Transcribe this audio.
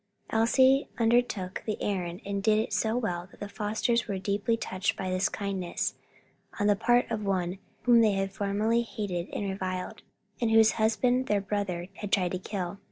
Elsie undertook the errand and did it so well that the Fosters were deeply touched by this kindness on the part of one whom they had formerly hated and reviled, and whose husband their brother had tried to kill.